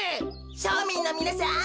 しょみんのみなさん